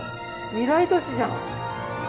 未来都市じゃん。